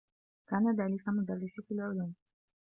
كان ذاك مدرّسي في العلوم.